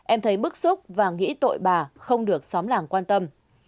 em thấy bức xúc và nghĩ tội bà không được xóm làng quan tâm